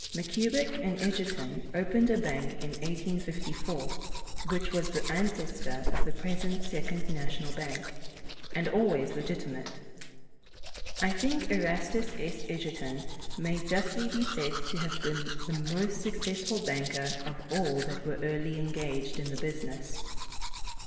Mackubin & Edgerton opened a bank in 1854, which was the ancestor of the present Second National Bank, and always legitimate. I think Erastus S. Edgerton may justly be said to have been the most successful banker of all that were early engaged in the business.